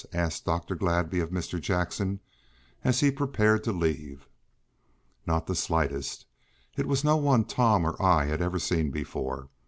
asked Dr. Gladby of Mr. Jackson, as he prepared to leave. "Not the slightest. It was no one Tom or I had ever seen before.